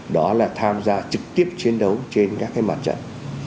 đó là tham gia trực tiếp chiến đấu trên các cái mặt trận